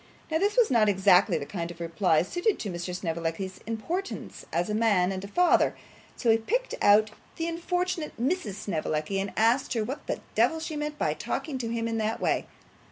Now this was not exactly the kind of reply suited to Mr. Snevellicci's importance as a man and a father, so he picked out the unfortunate Mrs Snevellicci, and asked her what the devil she meant by talking to him in that way.